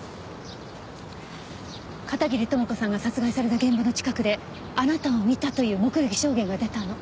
片桐朋子さんが殺害された現場の近くであなたを見たという目撃証言が出たの。